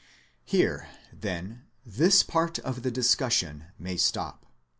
Here, then, this part of the discussion may stop.